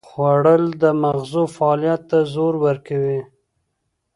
خوړل د مغزو فعالیت ته زور ورکوي